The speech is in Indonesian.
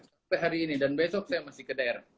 sampai hari ini dan besok saya masih ke daerah